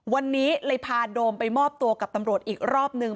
วันนี้เลยพาโดมไปมอบตัวกับตำรวจอีกรอบนึง